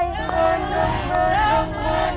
เยิน